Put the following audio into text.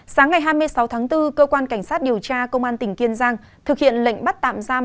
sáng ngày hai mươi sáu tháng bốn cơ quan cảnh sát điều tra công an tỉnh kiên giang thực hiện lệnh bắt tạm giam